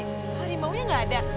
harimau nya tidak ada